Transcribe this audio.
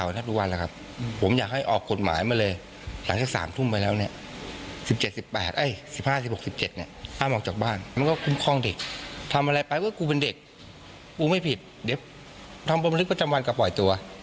อ้ามออกจากบ้านมันก็คุ้มข้องเด็กทำอะไรไปว่ากูเป็นเด็กกูไม่ผิดเดี๋ยวทำบรมนิกประจำวันก็ปล่อยตัว